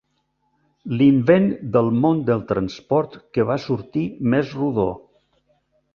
L'invent del món del transport que va sortir més rodó.